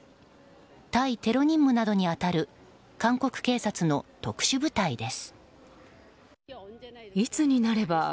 対テロ任務などに当たる韓国警察の特殊部隊です。